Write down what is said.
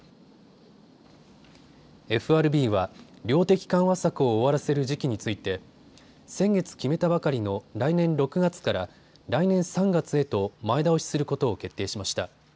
ＦＲＢは量的緩和策を終わらせる時期について先月決めたばかりの来年６月から来年３月へと前倒しすることを決定しました。